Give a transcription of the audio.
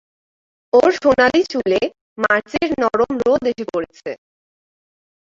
ওর সোনালি চুলে মার্চের নরম রোদ এসে পড়েছে।